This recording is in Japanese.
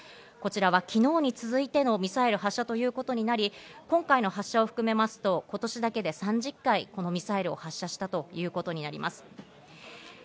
こちらは昨日に続いてのミサイル発射ということになり、今回の発射を含めますと今年だけで３０回、このミサイルを発射したということになります。